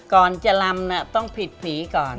ก่อนจะลำต้องผิดผีก่อน